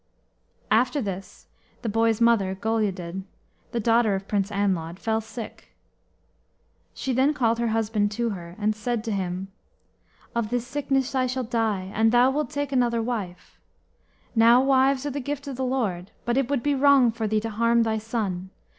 After this the boy's mother, Goleudid, the daughter of Prince Anlawd, fell sick. Then she called her husband to her, and said to him, "Of this sickness I shall die, and thou wilt take another wife. Now wives are the gift of the Lord, but it would be wrong for thee to harm thy son.